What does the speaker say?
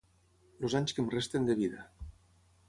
Els anys que em resten de vida.